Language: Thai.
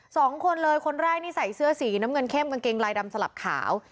สองคนเลยคนแรกนี่ใส่เสื้อสีน้ำเงินเข้มกางเกงลายดำสลับขาว